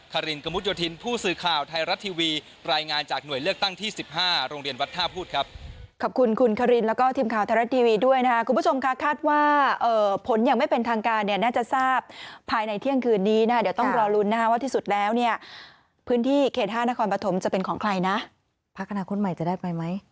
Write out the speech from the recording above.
ขรินกมุฒยศิลป์ผู้สื่อข่าวไทรัตน์ทีวีรายงานจากหน่วยเลือกตั้งที่๑๕โรงเรียนวัดท่าพูดครับ